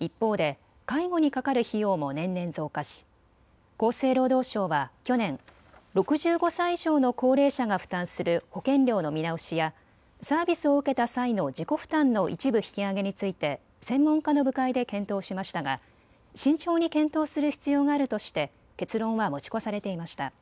一方で介護にかかる費用も年々増加し、厚生労働省は去年、６５歳以上の高齢者が負担する保険料の見直しやサービスを受けた際の自己負担の一部引き上げについて専門家の部会で検討しましたが慎重に検討する必要があるとして結論は持ち越されていました。